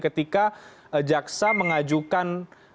ketika jaksa mengajukan